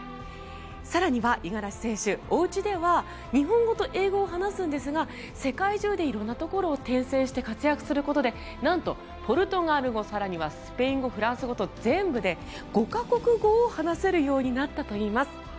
更には五十嵐選手、おうちでは日本語と英語を話すんですが世界中で色んなところを転戦して活躍することでなんとポルトガル語更にはスペイン語、フランス語と全部で５か国語を話せるようになったといいます。